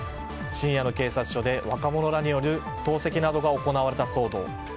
深夜の警察署で若者らによる投石などが行われた騒動。